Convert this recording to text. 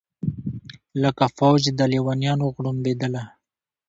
لکه فوج د لېونیانو غړومبېدله